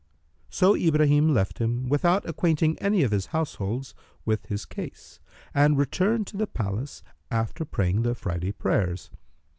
So Ibrahim left him without acquainting any of his household with his case, and returned to the palace, after praying the Friday prayers.